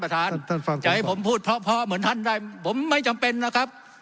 ท่านฟังจะให้ผมพูดเพราะเหมือนท่านได้ผมไม่จำเป็นนะครับ